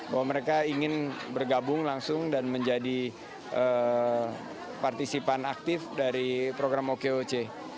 bahwa mereka ingin bergabung langsung dan menjadi partisipan aktif dari program okoc